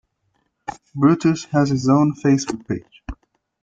Brutus has his own Facebook page.